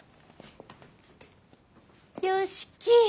良樹！